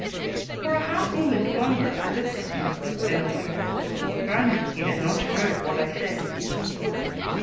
For a half moment longer I looked at him, then away. Apparently he had not heard what I said.